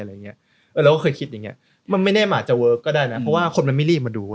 เราก็เคยคิดอย่างเงี้ยมันไม่แน่มันอาจจะเวิร์คก็ได้นะเพราะว่าคนมันไม่รีบมาดู